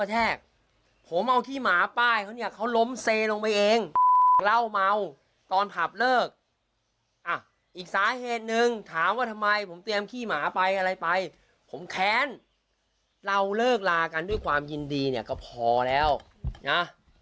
ถ้าไปอะไรไปผมแค้นเราเลิกลากันด้วยความยินดีเนี่ยก็พอแล้วนะ